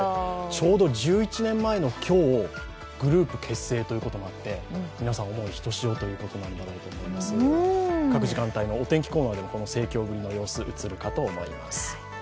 ちょうど１２年前の今日グループ結成ということで皆さんの思い、ひとしおということだと思いますが、各時間帯のお天気コーナーでも盛況ぶりが映るかと思います。